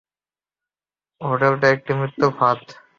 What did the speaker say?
হোটেলটা একটি মৃত্যুর ফাঁদ।